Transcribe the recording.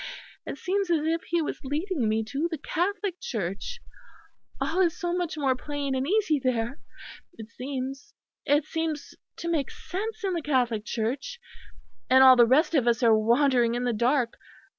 It seems as if He was leading me to the Catholic Church; all is so much more plain and easy there it seems it seems to make sense in the Catholic Church; and all the rest of us are wandering in the dark.